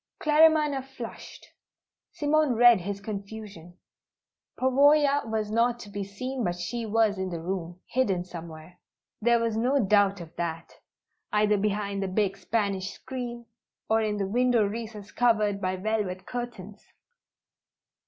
Claremanagh flushed. Simone read his confusion. Pavoya was not to be seen, but she was in the room, hidden somewhere; there was no doubt of that; either behind the big Spanish screen, or in the window recess covered by velvet curtains.